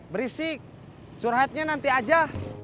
berisik curhatnya nanti aja